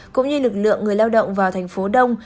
cũng như lực lượng người lao động vào thành phố đông